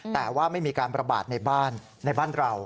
แต่ว่าไม่มีการประบาดในบ้านในบ้านเรา